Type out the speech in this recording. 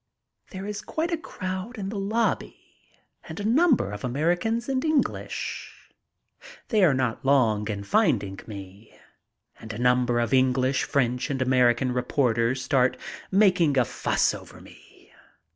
There is quite a crowd in the lobby and a number of Americans and English. They are not long in finding me, and a number of English, French, and American reporters start making a fuss over me.